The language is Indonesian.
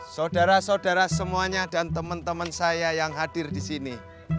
saudara saudara semuanya dan teman teman saya yang hadir di sini